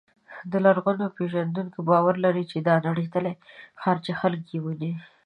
لرغونپېژندونکي باور لري چې دا نړېدلی ښار چې خلک یې ویني.